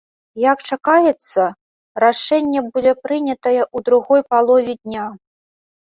Як чакаецца, рашэнне будзе прынятае ў другой палове дня.